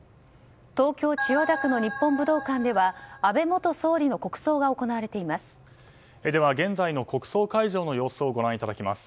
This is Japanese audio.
東京・千代田区の日本武道館では安倍元総理の国葬が行われています。